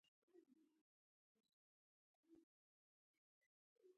خپه یې نه کړ.